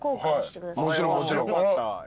もちろんもちろん。